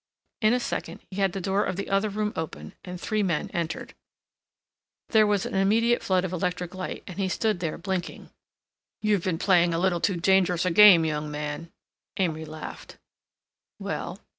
In a second he had the door of the other room open and three men entered. There was an immediate flood of electric light and he stood there blinking. "You've been playing a little too dangerous a game, young man!" Amory laughed. "Well?"